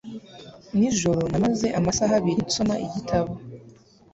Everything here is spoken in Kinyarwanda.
Nijoro namaze amasaha abiri nsoma igitabo.